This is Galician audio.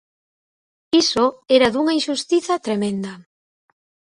Iso era dunha inxustiza tremenda.